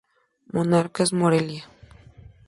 Monarcas Morelia